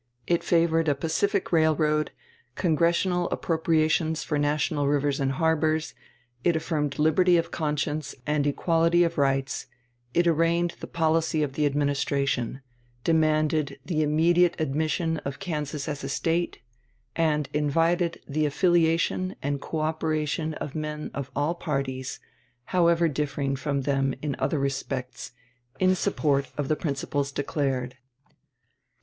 It favored a Pacific railroad, congressional appropriations for national rivers and harbors; it affirmed liberty of conscience and equality of rights; it arraigned the policy of the Administration; demanded the immediate admission of Kansas as a State, and invited "the affiliation and coöperation of men of all parties, however differing from them in other respects, in support of the principles declared."